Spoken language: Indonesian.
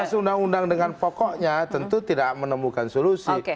atas undang undang dengan pokoknya tentu tidak menemukan solusi